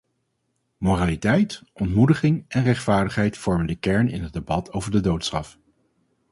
Moraliteit, ontmoediging en rechtvaardigheid vormen de kern in het debat over de doodstraf.